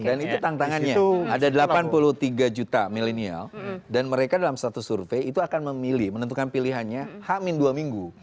dan itu tantangannya ada delapan puluh tiga juta milenial dan mereka dalam satu survei itu akan memilih menentukan pilihannya h dua minggu